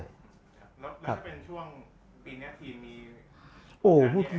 แล้วถ้าเป็นช่วงปีนี้ทีมี